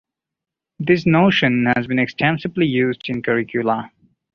This notion has been extensively used in curricula.